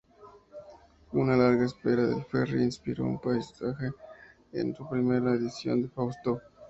La larga espera del ferry inspiró un pasaje en su primera edición de "Fausto".